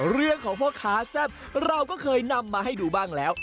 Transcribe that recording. เรื่องของพ่อค้าแซ่บเราก็เคยนำมาให้ดูบ้างแล้ว